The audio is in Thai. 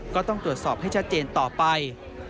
ก็ต้องตรวจสอบให้ชัดเจนต่อไป